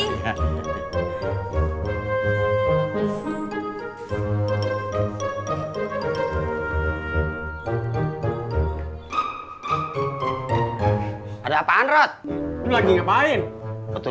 mereka sudah beristirahat